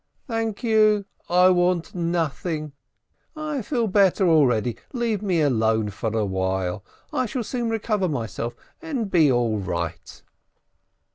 "Thank you, I want nothing, I feel better already, leave me alone for a while. I shall soon recover myself, and be all right."